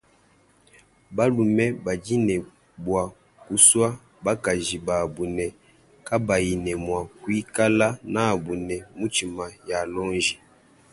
Balume badi ne bua kusua bakaji babu ne kabayi ne mua kuikala nabu ne mitshima ya lonji.